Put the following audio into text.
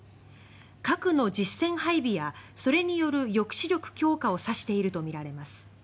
核の実戦配備やそれによる抑止力強化を指しているとみられます。